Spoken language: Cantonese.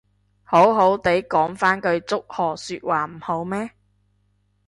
好好哋講返句祝賀說話唔好咩